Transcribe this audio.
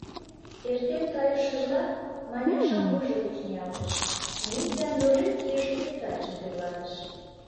Эртен кайышыжла, Маняшам вуйжо гыч ниялтыш, Митян йожек кийыше тетрадьшым тӧрлатыш.